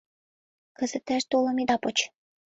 Кызытеш тулым ида поч.